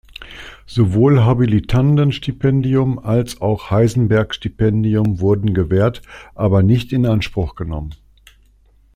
Sowohl Habilitanden-Stipendium als auch Heisenberg-Stipendium wurden gewährt, aber nicht in Anspruch genommen.